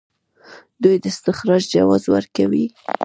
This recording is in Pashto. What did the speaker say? دوی د استخراج جواز ورکوي.